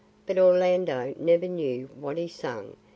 But Orlando never knew what he sang.